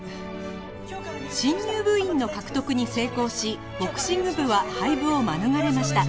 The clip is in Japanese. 新入部員の獲得に成功しボクシング部は廃部を免れました